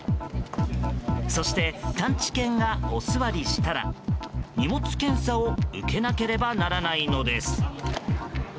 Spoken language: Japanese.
そして、探知犬がおすわりしたら荷物検査を受けなければならないのです。